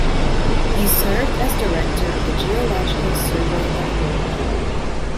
He served as director of the Geological Survey of Norway.